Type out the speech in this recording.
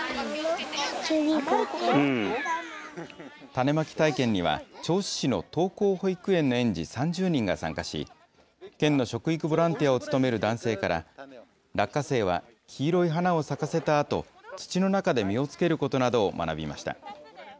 種まき体験には、銚子市の東光保育園の園児３０人が参加し、県の食育ボランティアを務める男性から、落花生は黄色い花を咲かせたあと、土の中で実をつけることなどを学びました。